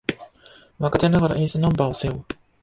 若手ながらエースナンバーを背負う